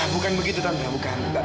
bukan begitu tante bukan